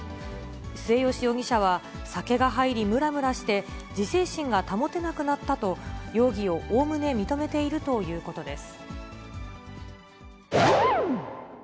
末吉容疑者は、酒が入り、むらむらして自制心が保てなくなったと、容疑をおおむね認めているということです。